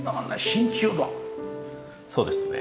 そうですね。